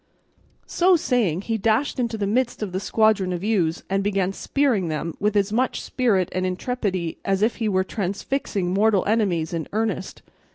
So saying, he dashed into the midst of the squadron of ewes, and began spearing them with as much spirit and intrepidity as if he were transfixing mortal enemies in earnest.